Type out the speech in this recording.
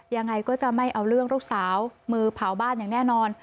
ยังไงก็จะไม่เอาเรื่องลูกสาวมือเผาบ้านอย่างแน่นอน